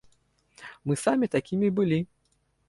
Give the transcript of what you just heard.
Мы самі такімі былі.